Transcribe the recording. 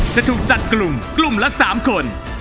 จะถูกจัดกลุ่มกลุ่มละ๓คน